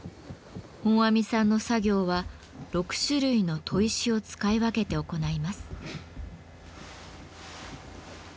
本阿弥さんの作業は６種類の砥石を使い分けて行います。